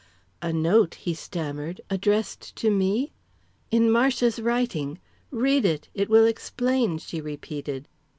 "A note?" he stammered. "Addressed to me?" "In Marcia's writing. Read it. It will explain," she repeated.